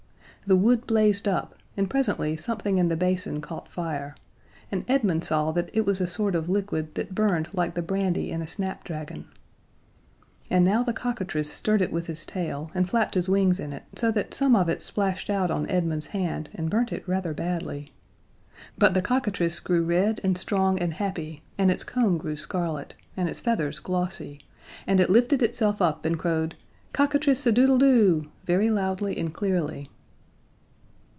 The wood blazed up, and presently something in the basin caught fire, and Edmund saw that it was a sort of liquid that burned like the brandy in a snapdragon. And now the cockatrice stirred it with his tail and flapped his wings in it so that some of it splashed out on Edmund's hand and burnt it rather badly. But the cockatrice grew red and strong and happy, and its comb grew scarlet, and its feathers glossy, and it lifted itself up and crowed "Cock a trice a doodle doo!" very loudly and clearly.